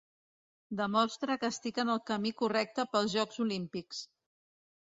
Demostra que estic en el camí correcte pels Jocs Olímpics.